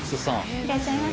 いらっしゃいませ。